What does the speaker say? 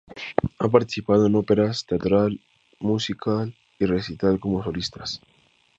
Ha participado en óperas, teatro musical y recitales como solista.